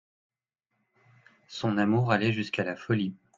Son amour allait jusqu'à la folie.